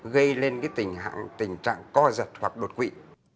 gây lên tình trạng co giật hoặc đột quỵ